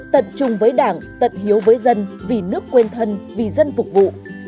tận chung với đảng tận hiếu với dân vì nước quên thân vì dân phục vụ